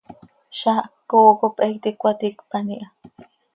Zaah ccooo cop he iti cöcaticpan iha.